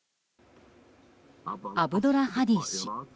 アブドルハディ氏。